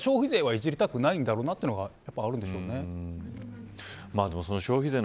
やっぱり消費税はいじりたくないんだろうなというのもあるんでしょうね。